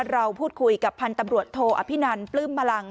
เราพูดคุยกับพันธุ์ตำรวจโทอภินันปลื้มบลัง